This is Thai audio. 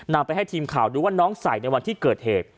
นำไปให้ทีมข่าวดูว่าน้องใส่ในวันที่เกิดเหตุ